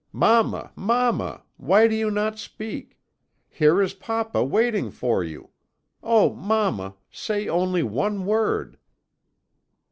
"'Mamma, mamma! why do you not speak? Here is papa waiting for you. Oh, mamma, say only one word!'